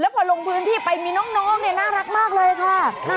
พอลงพื้นที่ไปมีน้องเนี่ยน่ารักมากเลยค่ะ